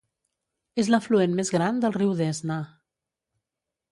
És l'afluent més gran del riu Desna.